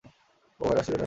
ও ঘরে আসিবে না?